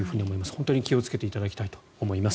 本当に気をつけていただきたいと思います。